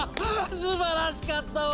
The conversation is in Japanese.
すばらしかったわ！